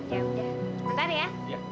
ya udah sebentar ya